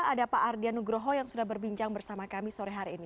ada pak ardian nugroho yang sudah berbincang bersama kami sore hari ini